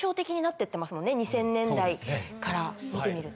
２０００年代から見てみると。